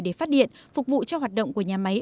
để phát điện phục vụ cho hoạt động của nhà máy